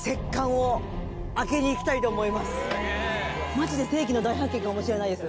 マジで世紀の大発見かもしれないです